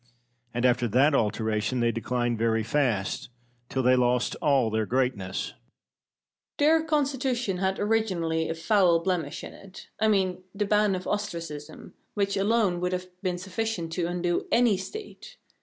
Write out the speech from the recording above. And after that alteration they declined very fast, till they lost all their greatness. Pericles. Their constitution had originally a foul blemish in it I mean, the ban of ostracism, which alone would have been sufficient to undo any State.